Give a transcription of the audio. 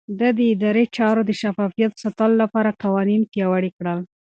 ده د ادارې چارو د شفافيت ساتلو لپاره قوانين پياوړي کړل.